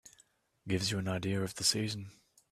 Gives you an idea of the season.